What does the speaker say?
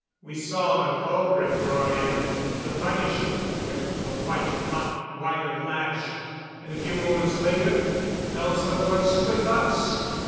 We saw the culprit brought in; the punishment with the white hot wire lash, and a few moments later Elza was with us.